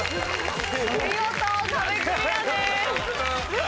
見事壁クリアです。